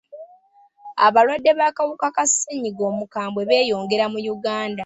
Abalwadde b'akawuka ka ssenyiga omukambwe beeyongera mu Uganda.